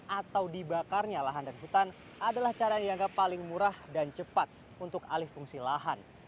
atau dibakarnya lahan dan hutan adalah cara yang dianggap paling murah dan cepat untuk alih fungsi lahan